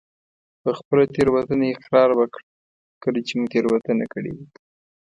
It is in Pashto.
په خپله تېروتنه اقرار وکړه کله چې مو تېروتنه کړي وي.